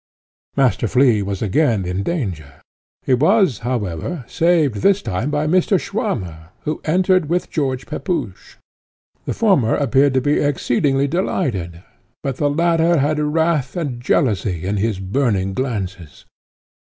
Master Flea was again in danger; he was, however, saved this time by Mr. Swammer, who entered with George Pepusch. The former appeared to be exceedingly delighted, but the latter had wrath and jealousy in his burning glances.